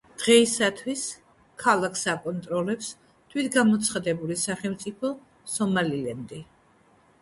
დღეისათვის ქალაქს აკონტროლებს თვითგამოცხადებული სახელმწიფო სომალილენდი.